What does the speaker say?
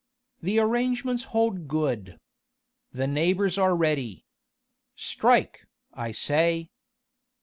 The arrangements hold good. The neighbours are ready. Strike, I say!"